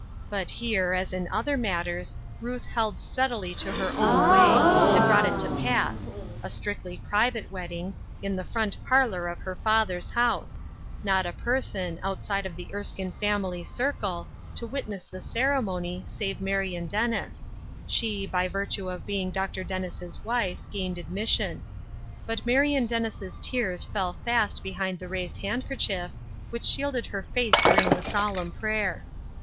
But here, as in other matters, Ruth held steadily to her own way, and brought it to pass — a strictly private wedding, in the front par lor of her father's house ; not a person, outside of the Erskine family circle, to witness the cere mony, save Marion Dennis ; she, by virtue of being Dr. Dennis' wife, gained admission. But Marion Dennis' tears fell fast behind the raised handkerchief, which shielded her face during the solemn prayer.